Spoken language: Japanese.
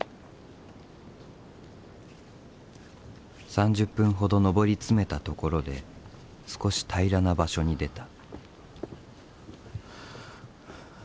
３０分ほど登り詰めたところで少し平らな場所に出た。